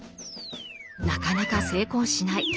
なかなか成功しない。